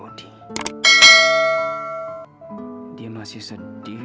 tapi yang yang senseful sih apa kita berdua ini lo patut bust biin banget